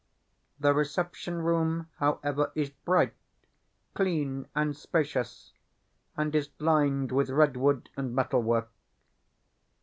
The reception room, however, is bright, clean, and spacious, and is lined with redwood and metal work.